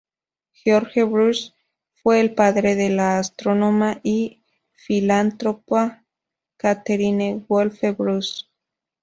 George Bruce fue el padre de la astrónoma y filántropa Catherine Wolfe Bruce.